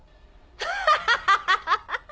ハハハハ！